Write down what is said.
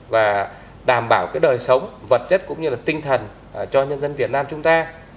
và đảm bảo cái đời sống vật chất cũng như là tinh thần cho nhân dân việt nam chúng ta